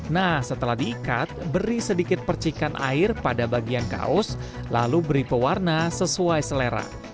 nah setelah diikat beri sedikit percikan air pada bagian kaos lalu beri pewarna sesuai selera